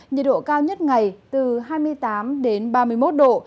nhiệt độ cao nhất ngày từ hai mươi tám đến ba mươi một độ